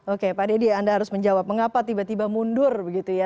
oke pak dedy anda harus menjawab mengapa tiba tiba mundur begitu ya